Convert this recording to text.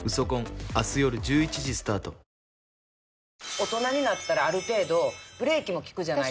大人になったらある程度ブレーキも利くじゃないですか。